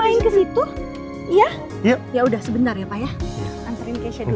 antarin keisha du bentar ya nol